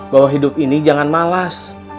bahwa hidup ini jangan malas